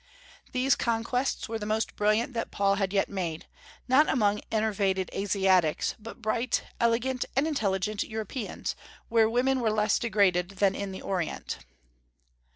These conquests were the most brilliant that Paul had yet made, not among enervated Asiatics, but bright, elegant, and intelligent Europeans, where women were less degraded than in the Orient.